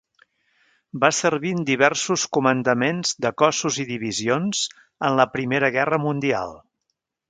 Va servir en diversos comandaments de cossos i divisions en la Primera Guerra Mundial.